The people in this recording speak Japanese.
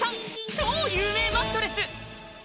超有名マットレス